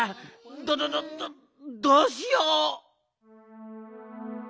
どどどどうしよう！